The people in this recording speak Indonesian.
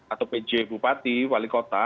atau pj bupati wali kota